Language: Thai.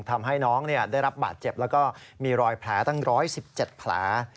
ทำให้น้องได้รับบาดเจ็บแล้วก็มีรอยแผลตั้ง๑๑๗แผล